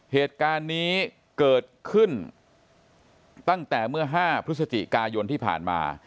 เหตุการณ์นี้เกิดขึ้นตั้งแต่เมื่อ๕พฤศจิกายนที่ผ่านมา